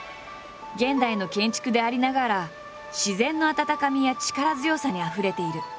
現代の建築でありながら自然の温かみや力強さにあふれている。